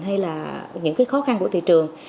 hay là những cái khó khăn của thị trường